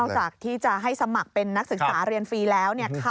จากที่จะให้สมัครเป็นนักศึกษาเรียนฟรีแล้ว